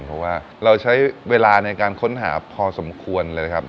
เพราะว่าเราใช้เวลาในการค้นหาพอสมควรเลยนะครับ